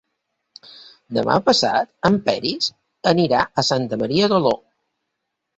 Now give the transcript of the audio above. Demà passat en Peris anirà a Santa Maria d'Oló.